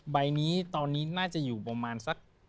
ใบนี้ตอนนี้น่าจะอยู่ประมาณสัก